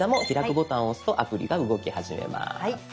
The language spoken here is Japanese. ボタンを押すとアプリが動き始めます。